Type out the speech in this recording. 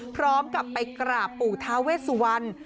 พร้อมกับไปกราบปู่ทาเวสวัน